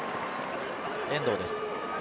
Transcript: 遠藤です。